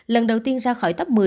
lần đầu tiên ra khỏi tấp một mươi